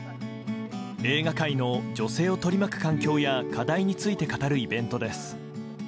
映画界の女性を取り巻く環境や課題について語るイベントです。